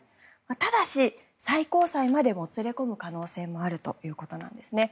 ただし、最高裁までもつれ込む可能性もあるということです。